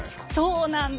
そうなんです。